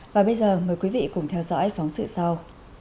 và bây giờ mời quý vị cùng theo dõi phóng sự sau